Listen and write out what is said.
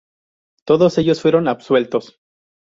Todos ellos fueron absueltos.